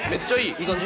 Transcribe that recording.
いい感じ？